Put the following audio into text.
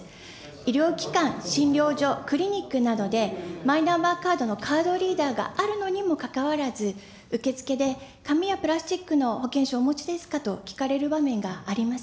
医療機関、診療所、クリニックなどで、マイナンバーカードのカードリーダーがあるのにもかかわらず、受付で紙やプラスチックの保険証お持ちですかと、聞かれる場面があります。